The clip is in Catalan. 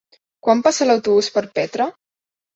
Quan passa l'autobús per Petra?